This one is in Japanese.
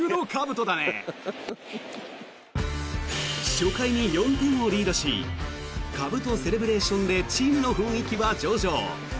初回に４点をリードしかぶとセレブレーションでチームの雰囲気は上々。